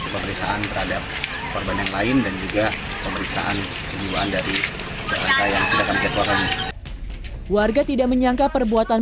pemeriksaan terhadap korban yang lain dan juga pemeriksaan penyelidikan dari mereka yang sudah kami ketuakan